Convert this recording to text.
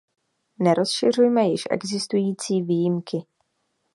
Nerozšiřujme již existující výjimky.